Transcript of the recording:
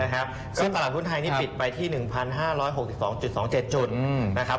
ซึ่งตลาดหุ้นไทยนี่ปิดไปที่๑๕๖๒๒๗จุดนะครับ